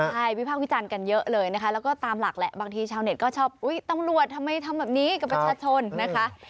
ใช่วิพากษ์วิจารณ์กันเยอะเลยนะคะแล้วก็ตามหลักแหละบางทีชาวเน็ตก็ชอบอุ๊ยตำรวจทำไมทำแบบนี้กับประชาชนนะคะ